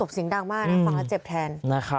เสียงดังมากนะฟังแล้วเจ็บแทน